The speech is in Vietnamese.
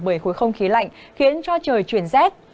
bởi khối không khí lạnh khiến cho trời chuyển rét